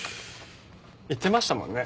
言ってましたもんね。